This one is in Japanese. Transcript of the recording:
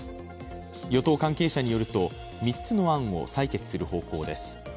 与党関係者によると、３つの案を採決する方向です。